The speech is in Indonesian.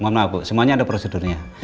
mohon maaf bu semuanya ada prosedurnya